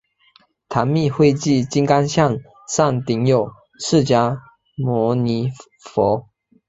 唐密秽迹金刚像上顶有释迦牟尼佛。